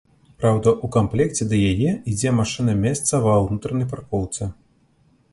Праўда, у камплекце да яе ідзе машына-месца ва ўнутранай паркоўцы.